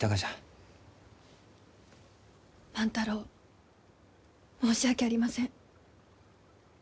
万太郎申し訳ありません。